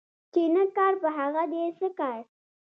چي نه کار په هغه دي څه کار